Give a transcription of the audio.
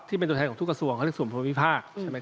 ที่เป็นตัวแทนของทุกกระทรวงเขาเรียกส่วนภูมิภาคใช่ไหม